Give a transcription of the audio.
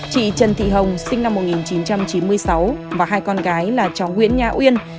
chị trần thị hồng và hai con gái là cháu nguyễn nhã uyên